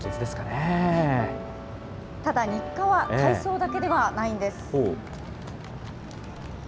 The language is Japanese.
ただ、日課は体操だけではないんです。